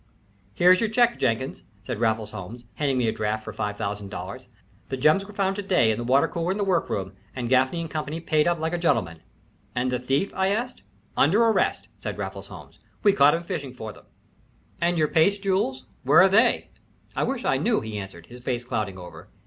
"Here's your check, Jenkins," said Raffles Holmes, handing me a draft for $5000. "The gems were found to day in the water cooler in the work room, and Gaffany & Co. paid up like gentlemen." "And the thief?" I asked. "Under arrest," said Raffles Holmes. "We caught him fishing for them." "And your paste jewels, where are they?" "I wish I knew," he answered, his face clouding over.